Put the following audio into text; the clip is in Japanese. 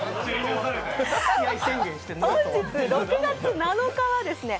本日、６月７日はですね